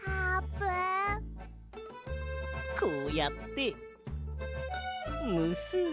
こうやってむすんでと。